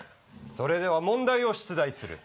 それでは問題を出題する。